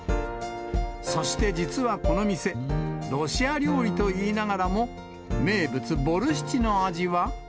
そして実はこの店、ロシア料理と言いながらも、名物、ボルシチの味は。